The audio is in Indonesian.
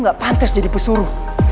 itu gak pantas jadi pesuru